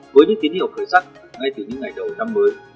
với những tín hiệu khởi sắc ngay từ những ngày đầu năm mới